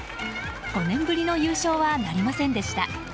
５年ぶりの優勝はなりませんでした。